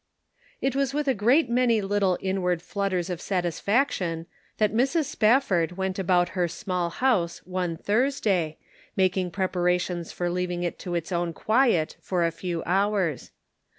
& »T was with a great many little inward flutters of satisfaction that Mrs. Spafford went about her small house one Thurs day, making preparations for leaving it to its own quiet for a few hours.